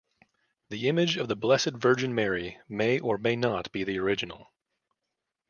The image of the Blessed Virgin Mary may or may not be the original.